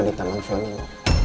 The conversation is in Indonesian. di taman sony